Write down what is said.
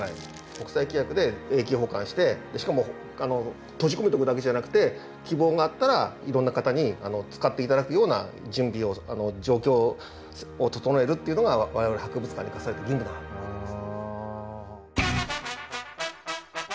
国際規約で永久保管してしかも閉じ込めておくだけじゃなくて希望があったらいろんな方に使って頂くような準備を状況を整えるっていうのが我々博物館に課された義務なわけです。